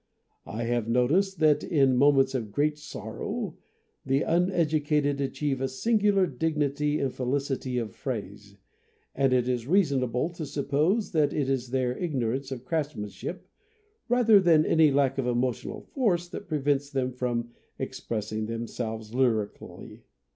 I have noticed that in moments of great sorrow the uneducated achieve a singular dignity and felicity of phrase, and it is reasonable to suppose that it is their ignor ance of craftsmanship rather than any lack of emotional force that prevents them from expressing themselves lyrically.